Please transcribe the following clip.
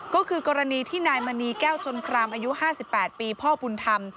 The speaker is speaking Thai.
ก็คือกรณีที่นายมณีแก้วชนครามอายุ๕๘ปีพ่อบุญธรรม